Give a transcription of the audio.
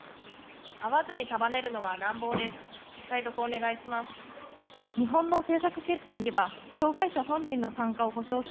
会わずに束ねるのは乱暴です。